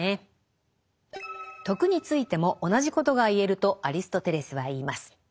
「徳」についても同じことが言えるとアリストテレスは言います。